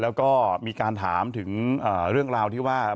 แล้วก็มีการถามถึงเรื่องราวที่ว่า